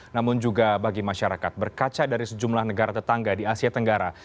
namun juga bagi masyarakat berkaca dari sejumlah negara tetangga di asia tenggara